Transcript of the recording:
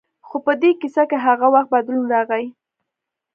خو په دې کیسه کې هغه وخت بدلون راغی.